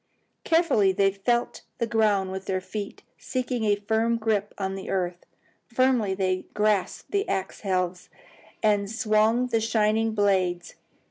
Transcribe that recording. Carefully they felt the ground with their feet, seeking a firm grip of the earth. Firmly they grasped the axe helves and swung the shining blades.